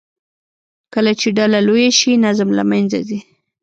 کله چې ډله لویه شي، نظم له منځه ځي.